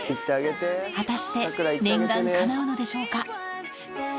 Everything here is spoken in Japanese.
果たして念願かなうのでしょうか？